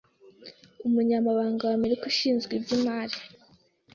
umunyamabanga w'Amerika ushinzwe iby'imari